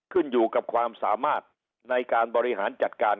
ขึ้นอยู่กับความสามารถในการบริหารจัดการ